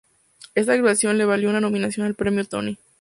Esta actuación le valió una nominación al Premio Tony.